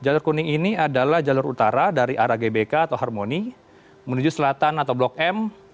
jalur kuning ini adalah jalur utara dari arah gbk atau harmoni menuju selatan atau blok m